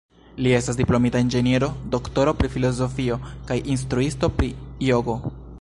Li estas diplomita inĝeniero, doktoro pri filozofio kaj instruisto pri jogo.